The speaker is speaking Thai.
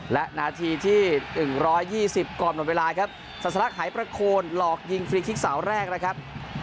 และนาทีที่หนึ่งร้อยยี่สิบกว่าหมดเวลาครับสรรคหายประโคนหลอกยิงฟรีคลิกเสาแรกนะครับ